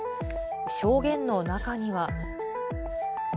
証言の中には。